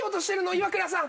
イワクラさん。